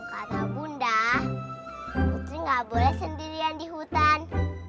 kata bunda putri gak boleh sendirian di hutan